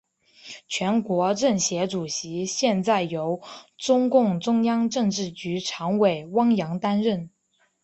全国政协主席现在由中共中央政治局常委汪洋担任。